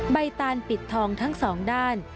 ตานปิดทองทั้งสองด้าน